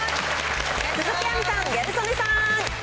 鈴木亜美さん、ギャル曽根さん。